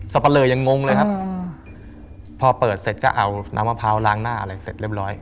ปะเลอยังงงเลยครับพอเปิดเสร็จก็เอาน้ำมะพร้าวล้างหน้าอะไรเสร็จเรียบร้อย